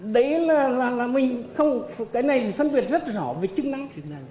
đấy là mình không cái này phân biệt rất rõ về chức năng